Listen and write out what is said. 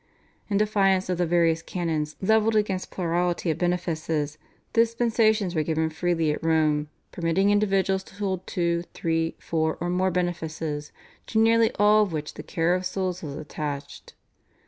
In defiance of the various canons levelled against plurality of benefices, dispensations were given freely at Rome, permitting individuals to hold two, three, four, or more benefices, to nearly all of which the care of souls was attached.